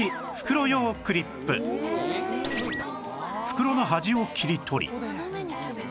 袋の端を切り取り